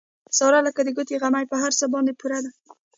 ساره لکه د ګوتې غمی په هر څه باندې پوره ده.